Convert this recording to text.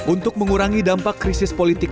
untuk mengurangi dampak krisis politik